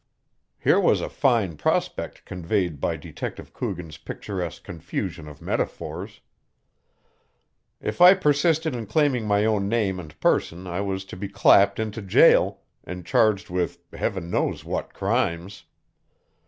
Here was a fine prospect conveyed by Detective Coogan's picturesque confusion of metaphors. If I persisted in claiming my own name and person I was to be clapped into jail, and charged with Heaven knows what crimes.